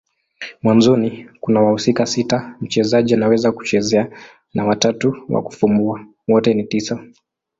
Mwanzoni kuna wahusika sita mchezaji anaweza kuchezea na watatu wa kufumbua. Wote ni tisa.